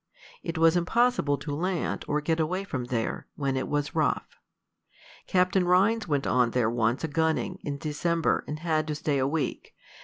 It was impossible to land, or get away from there, when it was rough. Captain Rhines went on there once a gunning, in December, and had to stay a week.